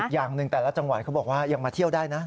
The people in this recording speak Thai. อย่างหนึ่งแต่ละจังหวัดเขาบอกว่ายังมาเที่ยวได้นะ